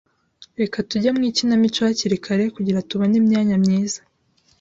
Reka tujye mu ikinamico hakiri kare kugirango tubone imyanya myiza.